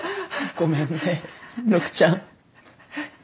ごめんね陸ちゃん